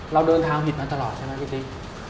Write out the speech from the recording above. เราเดินทางผิดมาตลอดใช่ไหมพี่ติ๊ก